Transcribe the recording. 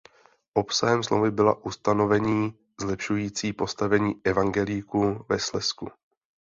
Obsahem smlouvy byla ustanovení zlepšující postavení evangelíků ve Slezsku.